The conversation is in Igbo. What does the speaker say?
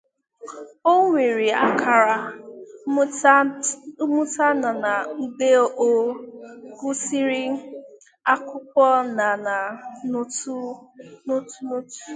O nwere akara mmụta na na mgbe ọ gụsiri akwụkwọ na na n'otu n'otu.